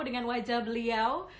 dengan wajah beliau